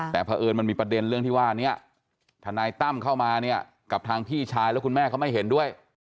แต่เพราะเอิญมันมีประเด็นเรื่องที่ว่าเนี่ยทนายตั้มเข้ามาเนี่ยกับทางพี่ชายแล้วคุณแม่เขาไม่เห็นด้วย